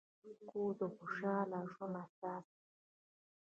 کور د خوشحال ژوند اساس دی.